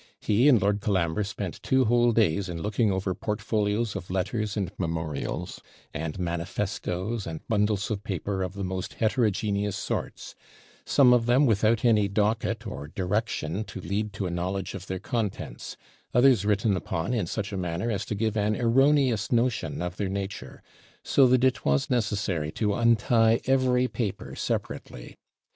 He and Lord Colambre spent two whole days in looking over portfolios of letters and memorials, and manifestoes, and bundles of paper of the most heterogeneous sorts; some of them without any docket or direction to lead to a knowledge of their contents; others written upon in such a manner as to give an erroneous notion of their nature; so that it was necessary to untie every paper separately.